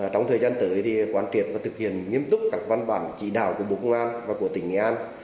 trong thời gian tới quán triệt và thực hiện nghiêm túc các văn bản chỉ đạo của bộ công an và của tỉnh nghệ an